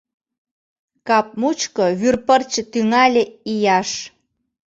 Кап мучко вӱр пырче тӱҥале ияш.